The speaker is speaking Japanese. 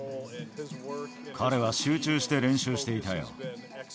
彼は集中して練習していたよ。